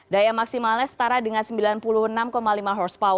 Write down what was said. daya maksimalnya setara dengan sembilan puluh enam lima hp